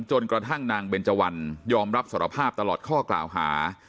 จนกระทั่งนางเบนเจวันยอมรับสารภาพตลอดข้อกล่าวหา